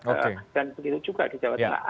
dan begitu juga di jawa tengah